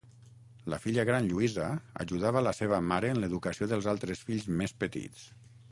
La filla gran Lluïsa, ajudava la seva mare en l'educació dels altres fills més petits.